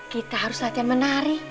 kita harus latihan menari